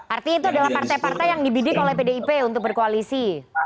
artinya itu adalah partai partai yang dibidik oleh pdip untuk berkoalisi